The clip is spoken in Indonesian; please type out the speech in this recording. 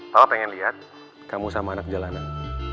papa pengen lihat kamu sama anak jalanan